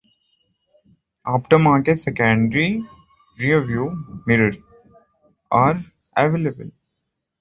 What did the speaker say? Aftermarket secondary rear-view mirrors are available.